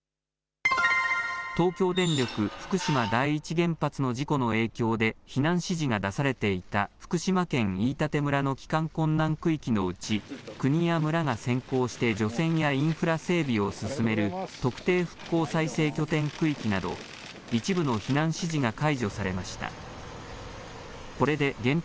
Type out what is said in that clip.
東京電力福島第一原発の事故の影響で、避難指示が出されていた福島県飯舘村の帰還困難区域のうち、国や村が先行して除染やインフラ整備を進める特定復興再生拠点区域など、一部の避難指示が解除されました。